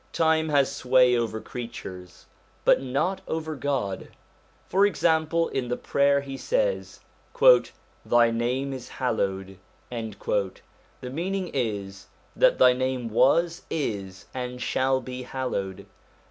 Time has sway over creatures, but not over God. For example, in the prayer he says :' Thy name is hallowed '; the meaning is that Thy name was, is, and shall be hallowed.